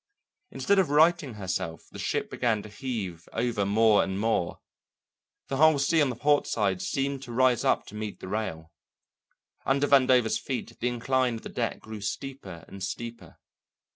Instead of righting herself, the ship began to heave over more and more. The whole sea on the port side seemed to rise up to meet the rail; under Vandover's feet the incline of the deck grew steeper and steeper.